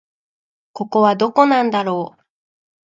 ここはどこなんだろう